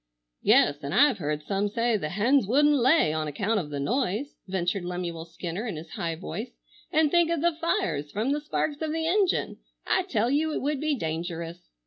"Yes, an' I've heard some say the hens wouldn't lay, on account of the noise," ventured Lemuel Skinner in his high voice. "And think of the fires from the sparks of the engine. I tell you it would be dangerous."